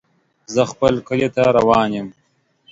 زه خپل کلي ته روان يم.